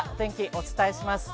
お伝えします。